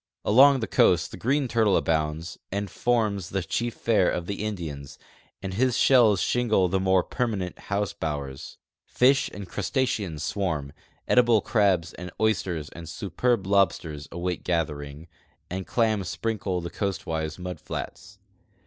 Along the coast the green turtle abounds and forms the chief fare of the Indians, and his shells shingle the more perma nent house bowers. Fish and crustaceans swarm, edible crabs and oysters and superb lobsters await gathering, and clams sprinkle the coastwise mud flats.